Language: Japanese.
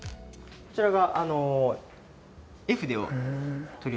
こちらが。